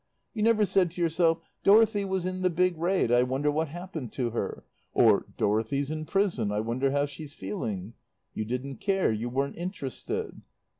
You never said to yourself, 'Dorothy was in the big raid, I wonder what happened to her?' or 'Dorothy's in prison, I wonder how she's feeling?' You didn't care; you weren't interested.